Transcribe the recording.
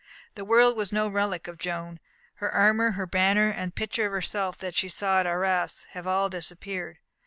The world has no relic of Joan. Her armour, her banner, the picture of herself that she saw at Arras, have all disappeared.